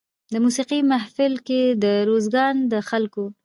د موسېقۍ محفل کې د روزګان د خلکو